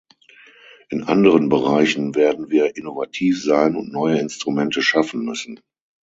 In anderen Bereichen werden wir innovativ sein und neue Instrumente schaffen müssen.